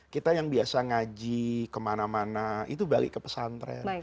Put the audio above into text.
kita yang biasa ngaji kemana mana itu balik ke pesantren